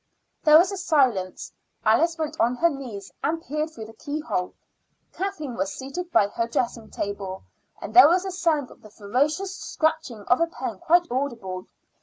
There was a silence. Alice went on her knees and peered through the keyhole: Kathleen was seated by her dressing table, and there was a sound of the furious scratching of a pen quite audible.